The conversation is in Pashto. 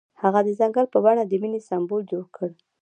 هغه د ځنګل په بڼه د مینې سمبول جوړ کړ.